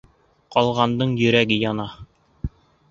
Ҡалғандың йөрәге яна.